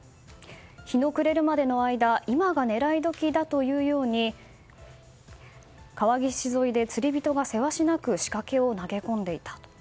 日の暮れるまでの間今が狙い時だというように川岸沿いで釣り人がせわしなく仕掛けを投げ込んでいた。